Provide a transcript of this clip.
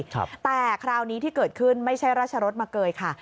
แต่คราวนี้ที่เกิดขึ้นไม่ใช่ราชรสมาเกยค่ะ